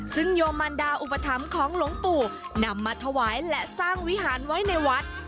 ซึ่งโยมันดาอุปถัมภ์ของหลวงปู่นำมาถวายและสร้างวิหารไว้ในวัด